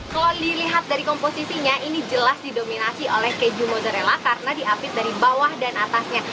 kalau dilihat dari komposisinya ini jelas didominasi oleh keju mozzarella karena diapit dari bawah dan atasnya